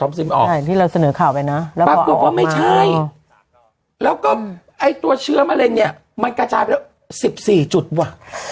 ไม่ใช่แล้วก็ไอ้ตัวเชื้อมะเร็นเนี่ยมันกระจายไปแล้วสิบสี่จุดว่ะ